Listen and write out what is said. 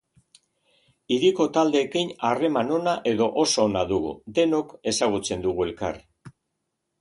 Hiriko taldeekin harreman ona edo oso ona dugu, denok ezagutzen dugu elkar.